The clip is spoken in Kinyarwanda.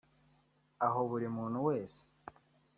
aho buri muntu wese